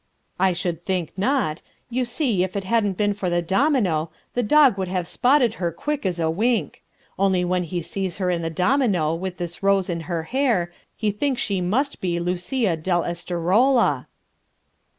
"I should think not! You see, if it hadn't been for the domino, the Dog would have spotted her quick as a wink. Only when he sees her in the domino with this rose in her hair, he thinks she must be Lucia dell' Esterolla."